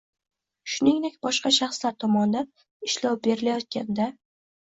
shuningdek boshqa shaxslar tomonidan ishlov berilayotganda.